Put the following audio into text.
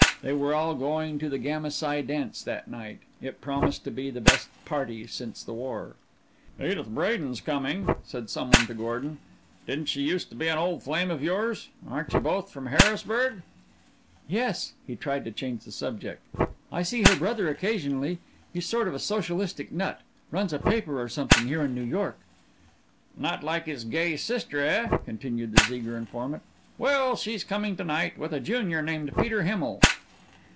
They were all going to the Gamma Psi dance that night it promised to be the best party since the war. "Edith Bradin's coming," said some one to Gordon. "Didn't she used to be an old flame of yours? Aren't you both from Harrisburg?" "Yes." He tried to change the subject. "I see her brother occasionally. He's sort of a socialistic nut. Runs a paper or something here in New York." "Not like his gay sister, eh?" continued his eager informant. "Well, she's coming to night with a junior named Peter Himmel."